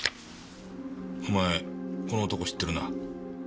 お前この男知ってるな？